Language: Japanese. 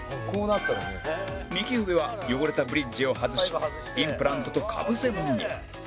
右上は汚れたブリッジを外しインプラントと被せ物に